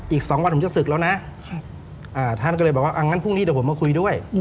อีก๒วันผมจะศึกแล้วนะท่านก็เลยบอกว่างั้นพรุ่งนี้เดี๋ยวผมมาคุยด้วย